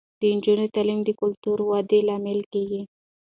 د نجونو تعلیم د کلتوري ودې لامل کیږي.